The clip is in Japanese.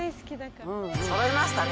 そろいましたね。